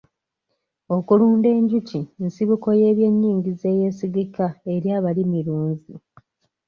Okulunda enjuki nsibuko y'ebyenyingiza eyesigika eri abalimirunzi.